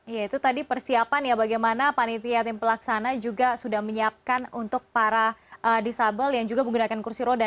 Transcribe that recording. ya itu tadi persiapan ya bagaimana panitia tim pelaksana juga sudah menyiapkan untuk para disabel yang juga menggunakan kursi roda